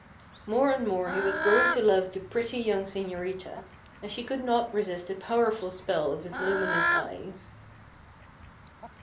More and more he was growing to love the pretty young señorita, and she could not resist the powerful spell of his luminous eyes.